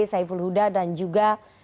saiful huda dan juga